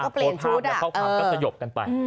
โพสต์ภาพและข้อความก็สยบกันไป